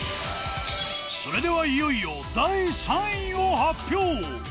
それではいよいよ第３位を発表！